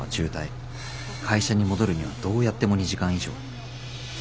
会社に戻るにはどうやっても２時間以上。